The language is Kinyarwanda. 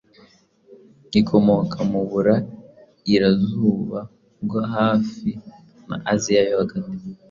Ikomoka mu burairazuba bwo hafi na Aziya yo hagati